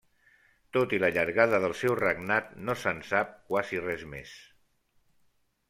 Tot i la llargada del seu regnat no se'n sap quasi res més.